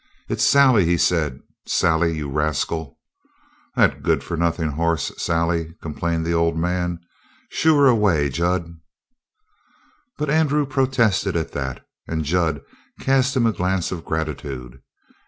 "It's Sally!" he said. "Sally, you rascal!" "That good for nothing hoss Sally," complained the old man. "Shoo her away, Jud." But Andrew protested at that, and Jud cast him a glance of gratitude.